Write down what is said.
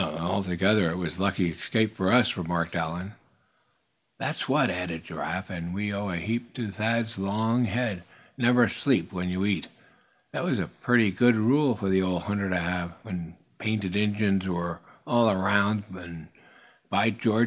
"Altogether, it was a lucky escape for us," remarked Allan. "That's what," added Giraffe. "And we owe a heap to Thad's long head. Never sleep where you eat that was a pretty good rule for the old hunter to have, when painted Injuns were all around him. And by George!